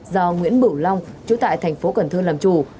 do nguyễn bửu long chú tại thành phố cần thơ làm chủ